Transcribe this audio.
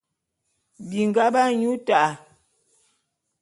Binga b'anyu ta'a.